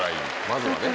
まずはね。